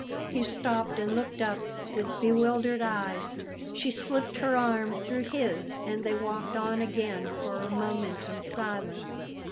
He stopped and looked up with bewildered eyes. She slipped her arm through his, and they walked on again for a moment in silence.